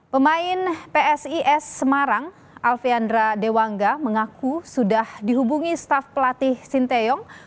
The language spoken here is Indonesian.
pemain psis semarang alveandra dewanga mengaku sudah dihubungi staf pelatih sinteyong